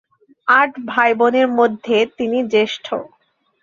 আট ভাই-বোনের মধ্যে তিনি জ্যেষ্ঠ।